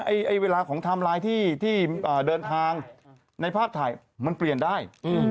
เวลาของไทม์ไลน์ที่เดินทางในภาพถ่ายมันเปลี่ยนได้